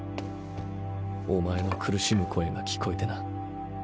お前の苦しむ声が聞こえてな。